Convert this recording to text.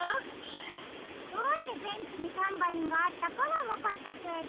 どうしてベンチにタンバリンがあったかはわかったけど。